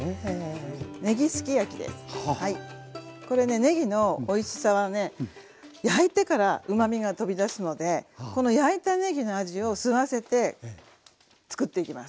ねぎのおいしさはね焼いてからうまみが飛び出すのでこの焼いたねぎの味を吸わせてつくっていきます。